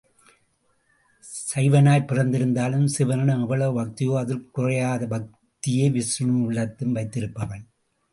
சைவனாய் பிறந்திருந்தாலும் சிவனிடம் எவ்வளவு பக்தியோ அதில் குறையாத பக்தியே விஷ்ணுவிடத்தும் வைத்திருப்பவன்.